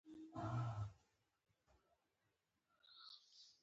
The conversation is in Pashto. د اپارټاید رژیم واکمنېدو ته یې لار هواره کړه.